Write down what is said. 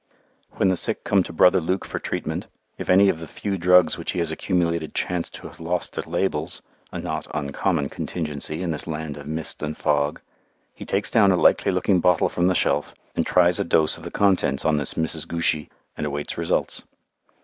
When the sick come to Brother Luke for treatment, if any of the few drugs which he has accumulated chance to have lost their labels a not uncommon contingency in this land of mist and fog he takes down a likely looking bottle from the shelf, and tries a dose of the contents on this Mrs. Goochy and awaits results.